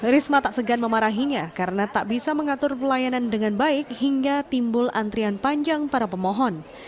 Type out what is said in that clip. risma tak segan memarahinya karena tak bisa mengatur pelayanan dengan baik hingga timbul antrian panjang para pemohon